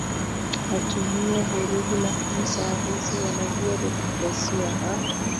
atumia vurugu lakini saa hizi wanajua democrasia ha